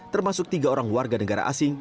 termasuk tiga orang warga negara asing